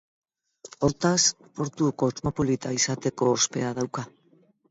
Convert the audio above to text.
Hortaz, portu kosmopolita izateko ospea dauka.